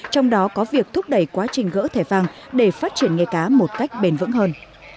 trong đó có việc thúc đẩy quá trình gỡ thẻ vàng để phát triển nghề cá một cách bền vững hơn